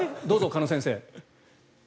どうぞ、鹿野先生。